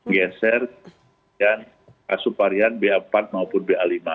geser dan kasus varian b empat maupun b lima